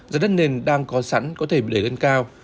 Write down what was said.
giá đất nền đang có sẵn có thể bị đẩy lên cao